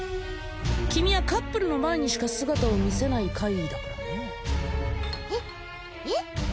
君はカップルの前にしか姿を見せない怪異だからねえっえっ！？